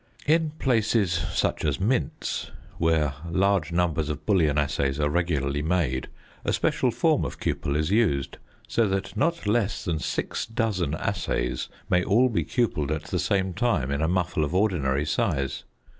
In places, such as Mints, where large numbers of bullion assays are regularly made a special form of cupel is used so that not less than six dozen assays may all be cupelled at the same time in a muffle of ordinary size.